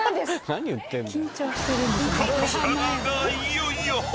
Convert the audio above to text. ［いよいよ］